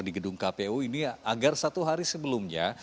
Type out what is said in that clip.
di gedung kpu ini agar satu hari sebelumnya